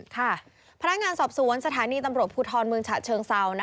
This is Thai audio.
ค่ะพนักงานสอบสวนสถานีตำรวจภูทรเมืองฉะเชิงเซา